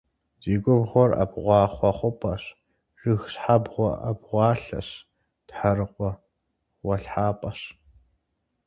Ди губгъуэр ӏэбгъахъуэ хъупӏэщ, жыг щхьэбгъуэ абгъуалъэщ, тхьэрыкъуэ гъуэлъхьапӏэщ.